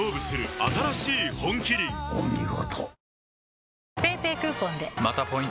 お見事。